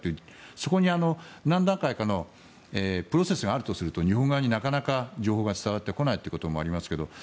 そこに何段階かのプロセスがあるとすると日本側になかなか情報が伝わってこないということがありますよね。